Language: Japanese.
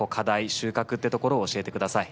収穫というところを教えてください。